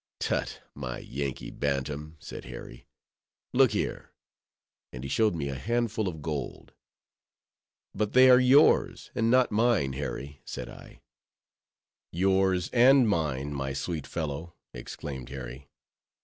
"Tut! my Yankee bantam," said Harry; "look here!" and he showed me a handful of gold. "But they are yours, and not mine, Harry," said I. "Yours and mine, my sweet fellow," exclaimed Harry.